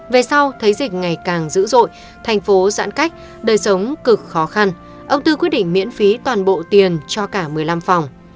về sau thấy dịch ngày càng dữ dội thành phố giãn cách đời sống cực khó khăn ông tư quyết định miễn phí toàn bộ tiền cho cả một mươi năm phòng